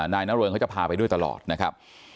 นายนเริงเขาจะพาไปด้วยตลอดนะครับ